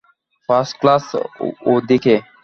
First class ওইদিকে।